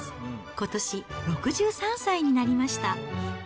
ことし６３歳になりました。